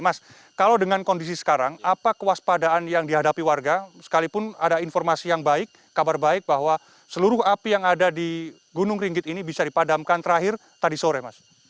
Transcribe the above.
mas kalau dengan kondisi sekarang apa kewaspadaan yang dihadapi warga sekalipun ada informasi yang baik kabar baik bahwa seluruh api yang ada di gunung ringgit ini bisa dipadamkan terakhir tadi sore mas